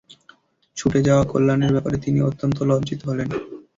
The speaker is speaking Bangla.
ছুটে যাওয়া কল্যাণের ব্যাপারে তিনি অত্যন্ত লজ্জিত হলেন।